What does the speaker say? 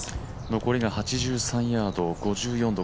残りが８３ヤード５４度。